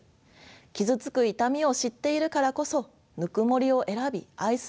傷つく痛みを知っているからこそぬくもりを選び愛することができる。